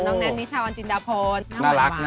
น้องแนนนิชาวันจินดาพลน่าหวาน